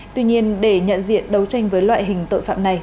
tuy nhiên để nhận diện đấu tranh với loại hình tội phạm này